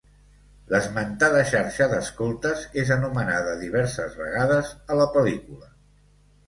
L'esmentada xarxa d'escoltes és anomenada diverses vegades a la pel·lícula.